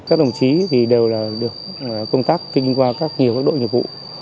các đồng chí đều được công tác kinh qua các đội nhiệm vụ